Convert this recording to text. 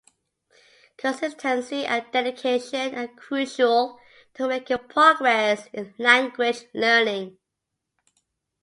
Consistency and dedication are crucial to making progress in language learning.